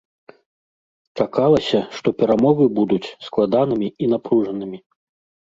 Чакалася, што перамовы будуць складанымі і напружанымі.